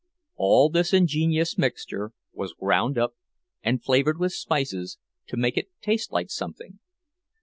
All this ingenious mixture was ground up and flavored with spices to make it taste like something.